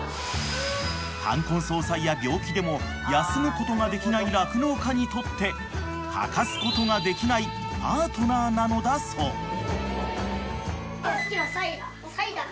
［冠婚葬祭や病気でも休むことができない酪農家にとって欠かすことができないパートナーなのだそう］